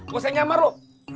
gua usah nyamar lu